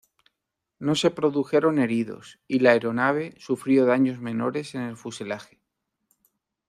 No se produjeron heridos y la aeronave sufrió daños menores en el fuselaje.